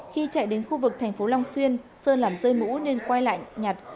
khi chạy đến khu vực thành phố long xuyên sơn làm rơi mũ nên quay lại nhặt